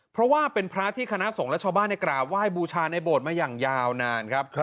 เพราะว่าเป็นพระที่คณะสงฆ์และชาวบ้านในกราบไหว้บูชาในโบสถ์มาอย่างยาวนานครับ